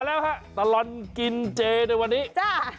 มาแล้วค่ะตลอดกินเจในวันนี้